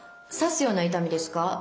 刺すような痛みですか？